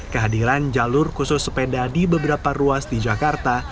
kehadiran jalur khusus sepeda di beberapa ruas di jakarta